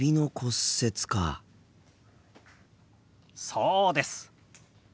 そうです。